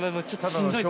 しんどい。